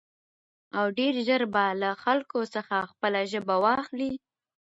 او ډېر زر به له خلکو څخه خپله ژبه واخلي.